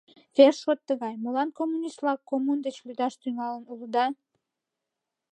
Вес шот тыгай: молан, коммунист-влак, коммун деч лӱдаш тӱҥалын улыда?